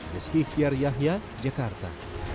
meski kiri yahya jakarta